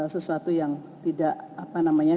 sesuatu yang tidak apa namanya